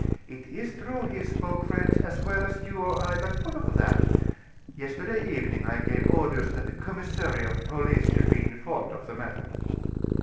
It is true he spoke French as well as you or I; but what of that? Yesterday evening I gave orders that the commissary of police should be informed of the matter."